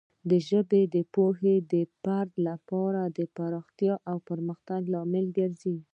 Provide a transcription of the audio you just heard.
د ژبې پوهه د فرد لپاره د پراختیا او پرمختګ لامل ګرځي.